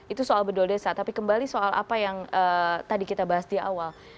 itu soal bedul desa tapi kembali soal apa yang tadi kita bahas di awal